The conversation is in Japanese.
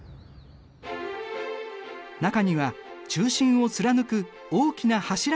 中には中心を貫く大きな柱がある。